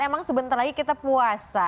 emang sebentar lagi kita puasa